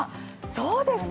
そうですか！